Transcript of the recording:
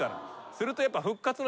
するとやっぱ。